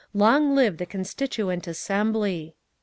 Long live the Constituent Assembly!"